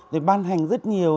để ban hành rất nhiều